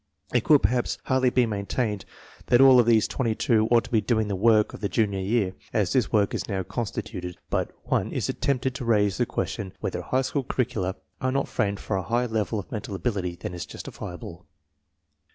It could perhaps hardly be maintained that all of these 22 ought to be doing the work of the junior year, as this work is now constituted, but one is tempted to raise the question whether high school curricula are not framed for a higher level of mental ability than is justifiable.